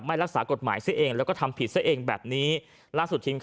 และยืนยันเหมือนกันว่าจะดำเนินคดีอย่างถึงที่สุดนะครับ